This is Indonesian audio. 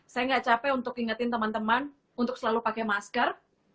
saya gak capek untuk ingetin teman teman untuk selalu pakai masker